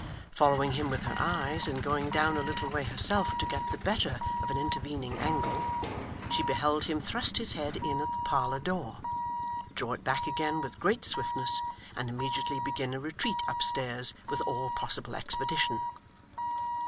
Following him with her eyes, and going down a little way herself to get the better of an intervening angle, she beheld him thrust his head in at the parlour door, draw it back again with great swiftness, and immediately begin a retreat upstairs with all possible expedition.